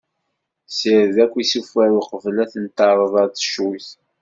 Ssired akk isufar uqbel aten-terreḍ ar teccuyt.